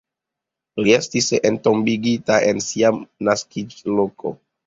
Li estis entombigita en sia naskiĝloko.